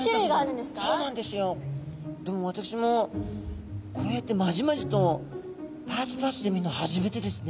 でも私もこうやってまじまじとパーツパーツで見るの初めてですね。